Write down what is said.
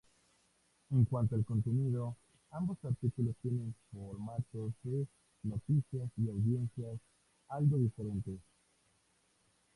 En cuanto al contenido, ambos artículos tienen formatos de noticias y audiencias algo diferentes.